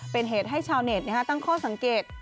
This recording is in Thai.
เป็นเหตุให้ชาวเน็ตตั้งข้อสังเกต